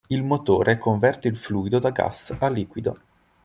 Il motore converte il fluido da gas a liquido.